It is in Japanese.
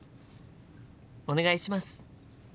お願いします！